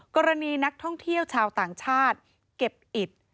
กรณีนักท่องเที่ยวชาวต่างชาติเก็บอิด